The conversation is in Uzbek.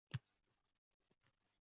oladur.